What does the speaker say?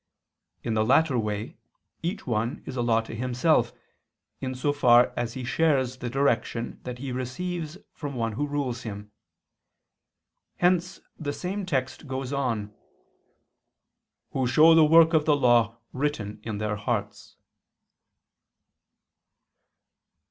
In the latter way each one is a law to himself, in so far as he shares the direction that he receives from one who rules him. Hence the same text goes on: "Who show the work of the law written in their hearts."